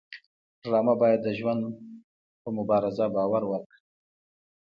ډرامه باید د ژوند په مبارزه باور ورکړي